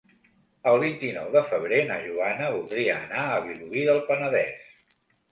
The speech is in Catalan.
El vint-i-nou de febrer na Joana voldria anar a Vilobí del Penedès.